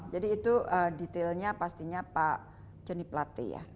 jadi itu detailnya pastinya pak ceni platy ya